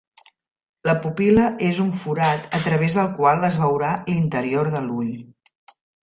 La pupil·la és un forat a través del qual es veurà l'interior de l'ull.